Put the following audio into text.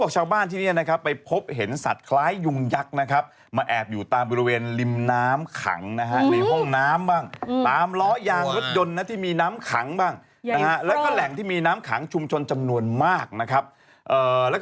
ชาวบ้านที่จังหวัดเฉยียบคูมน้องบัวระเว